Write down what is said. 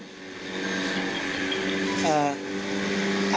อาจมองว่า